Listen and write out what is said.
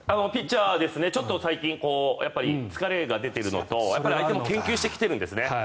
ちょっと最近、疲れが出ているのと相手も研究してきているんですね。